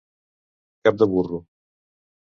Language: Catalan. Cap de burro.